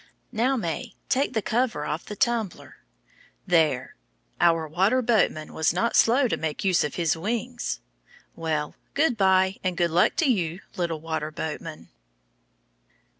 Now, May, take the cover off the tumbler. There! Our water boatman was not slow to make use of his wings. Well, good by and good luck to you, little water boatman.